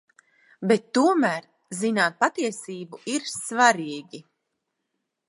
Bet tomēr zināt patiesību ir svarīgi.